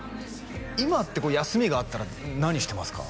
今って休みがあったら何してますか？